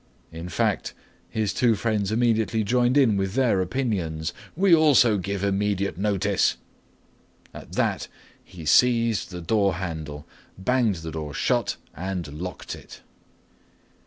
In fact, his two friends immediately joined in with their opinions, "We also give immediate notice." At that he seized the door handle, banged the door shut, and locked it.